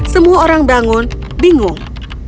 semua orang bangun bingung